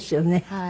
はい。